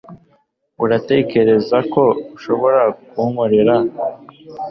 uratekereza ko ushobora kunkorera